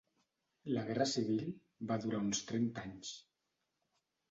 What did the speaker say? La guerra civil va durar uns trenta anys.